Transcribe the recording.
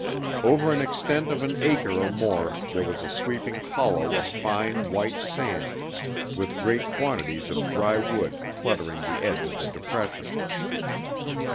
Over an extent of an acre or more there was a sweeping hollow of fine white sand, with great quantities of dry wood cluttering the edge of the depression.